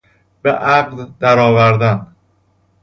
به عقد درآوردن